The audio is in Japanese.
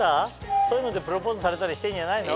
そういうのでプロポーズされたりしてんじゃないの？